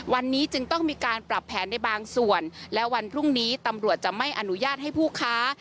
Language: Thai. วันนี้จึงต้องมีการปรับแผนในบางส่วนและวันพรุ่งนี้ตำรวจจะไม่อนุญาตให้ผู้ค้า